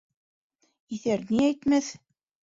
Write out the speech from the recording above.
Иҫәр ни әйтмәҫ?